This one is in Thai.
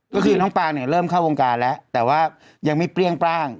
ก็คือน้องปางเนี่ยเริ่มเข้าวงการแล้วแต่ว่ายังไม่เปรี้ยงปร่าง